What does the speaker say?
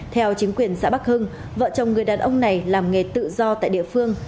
theo chính quyền xã bắc hưng vợ chồng người đàn ông này làm nghề tự do tại địa phương